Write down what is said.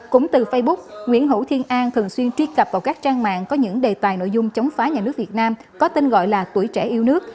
cũng từ facebook nguyễn hữu thiên an thường xuyên tri cập vào các trang mạng có những đề tài nội dung chống phá nhà nước việt nam có tên gọi là tuổi trẻ yêu nước